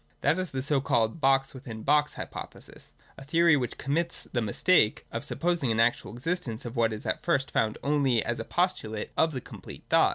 That is the so called ' box within box ' hypothesis ; a theory which commits the mistake of supposing an actual existence of what is at first found only as a postulate of the completed thought.